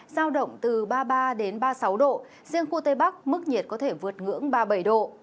giao động từ ba mươi ba đến ba mươi sáu độ riêng khu tây bắc mức nhiệt có thể vượt ngưỡng ba mươi bảy độ